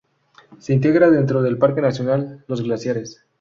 Se integra dentro del Parque Nacional Los Glaciares.